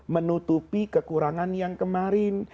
menutupi kekurangan yang kemarin